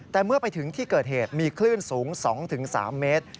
แต่เมื่อไปถึงที่เกิดเหตุมีคลื่นสูง๒๓เมตร